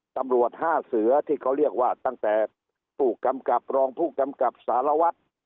ตำรวจห้าเสือที่เขาเรียกว่าตั้งแต่ผู้กำกับรองผู้กำกับสารวัตร